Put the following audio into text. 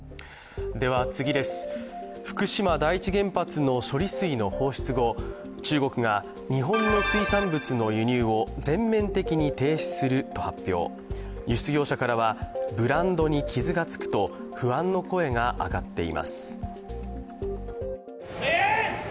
福島第一原発の処理水の放出後、中国が日本の水産物の輸入を全面的に停止すると発表輸出業者からはブランドに傷がつくと不安の声が上がっています。